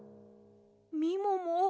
みもも